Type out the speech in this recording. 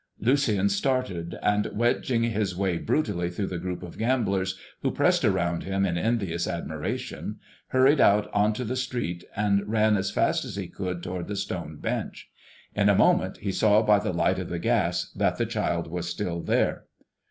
Lucien started, and wedging his way brutally through the group of gamblers, who pressed around him in envious admiration, hurried out into the street and ran as fast as he could toward the stone bench. In a moment he saw by the light of the gas that the child was still there.